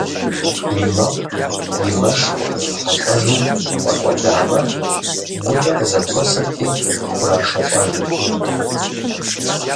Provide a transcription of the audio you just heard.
И мэкъу, и мэш къыхуемышэлӀэжу фӀэкӀуэдамэ, гукӀэ къызэхуэсырти къыхурашэлӀэжырт.